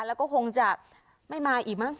แล้วก็คงจะไม่มาอีกมั้ง